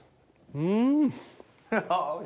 うん！